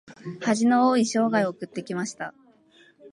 恥の多い生涯を送ってきました。